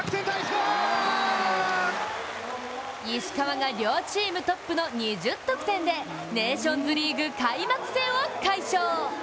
石川が両チームトップの２０得点でネーションズリーグ開幕戦を快勝。